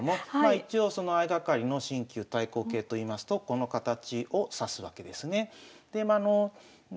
一応その相掛かりの新旧対抗形といいますとこの形を指すわけですね。